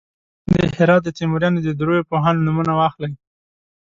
د هرات د تیموریانو د دریو پوهانو نومونه واخلئ.